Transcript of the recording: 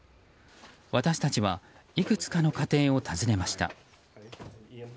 私たちはいくつかの家庭を訪ねました。